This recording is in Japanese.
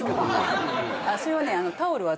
それはね。